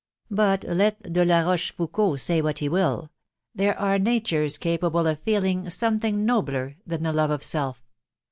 But let De la Rochefoucault say what he will; there are natures capable of feeling something nobler than the love of self